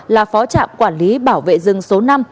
là phó trạm quản lý bảo vệ rừng số năm